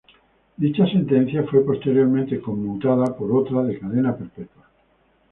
Dicha sentencia fue posteriormente conmutada por otra de cadena perpetua.